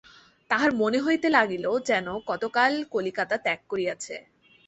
তাহার মনে হইতে লাগিল, যেন কতকাল কলিকাতা ত্যাগ করিয়াছে।